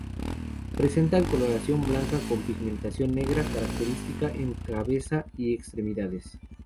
Presentan coloración blanca con pigmentación negra característica en cabeza y extremidades.